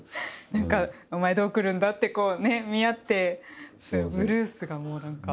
なんか、お前、どう来るんだってこうね、見合ってブルースが、もうなんか。